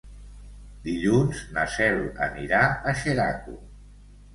Dilluns na Cel anirà a Xeraco.